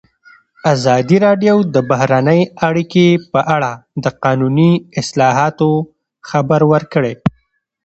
ازادي راډیو د بهرنۍ اړیکې په اړه د قانوني اصلاحاتو خبر ورکړی.